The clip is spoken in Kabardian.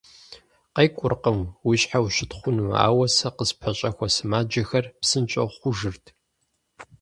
КъекӀуркъым уи щхьэ ущытхъуну, ауэ сэ къыспэщӀэхуэ сымаджэхэр псынщӀэу хъужырт.